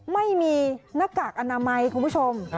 ไม่มีหน้ากากอนามัยคุณผู้ชม